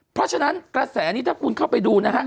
เพราะฉะนั้นกระแสนี้ถ้าคุณเข้าไปดูนะฮะ